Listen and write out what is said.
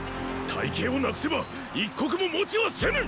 隊形を無くせば一刻ももちはせぬ！